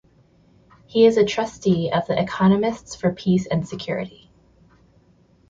He is a trustee of the Economists for Peace and Security.